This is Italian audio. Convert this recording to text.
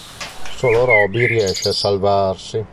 Solo Robby riesce a salvarsi.